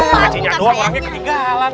pakci nya doang orangnya ketigalan